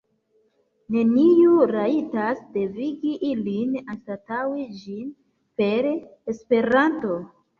Neniu rajtas devigi ilin anstataŭi ĝin per Esperanto!